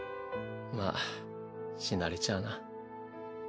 まあ死なれちゃあな。